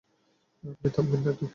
আপনি থামবেন নাকি?